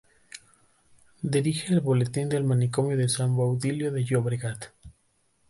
Dirige el Boletín del Manicomio de San Baudilio de Llobregat.